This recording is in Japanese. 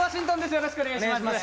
よろしくお願いします